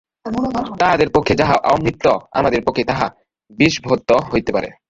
তাহাদের পক্ষে যাহা অমৃত, আমাদের পক্ষে তাহা বিষবৎ হইতে পারে।